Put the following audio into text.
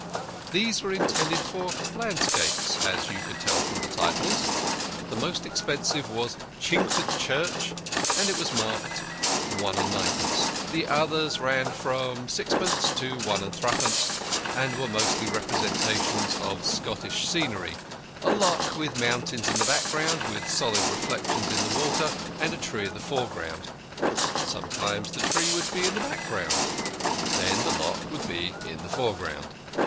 These were intended for landscapes, as you could tell from the titles. The most expensive was "Chingford Church," and it was marked IS. 9d. The others ran from 6d. to IS. 3d., and were mostly representations of Scottish scenery a loch with mountains in the background, with solid reflections in the water and a tree in the foreground. Sometimes the tree would be in the background. Then the loch would be in the foreground.